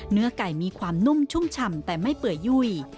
เนื้อไก่มีความนุ่มชุ่มฉ่ำแต่ไม่เปื่อยยุ่ย